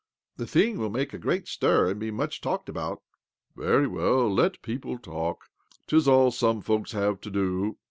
" The thing will make a great stir and be much talked about." " Very well : tet people talk. 'Tis ц\\ some folks have to do.